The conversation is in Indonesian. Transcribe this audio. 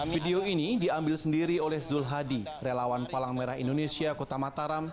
video ini diambil sendiri oleh zul hadi relawan palang merah indonesia kota mataram